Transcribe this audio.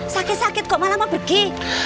sakit sakit kok malah mau pergi